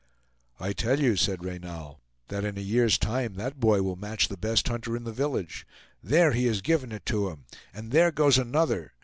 "I tell you," said Reynal, "that in a year's time that boy will match the best hunter in the village. There he has given it to him! and there goes another!